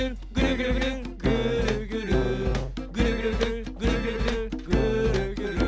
「ぐるぐるぐるぐるぐるぐるぐーるぐる」